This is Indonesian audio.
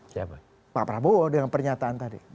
siapa pak prabowo dengan pernyataan tadi